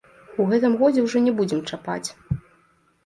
У гэтым годзе ўжо не будзем чапаць.